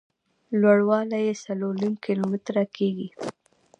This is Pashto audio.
لوړ والی یې څلور نیم کیلومتره کېږي.